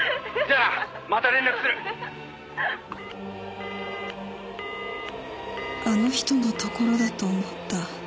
あの人のところだと思った。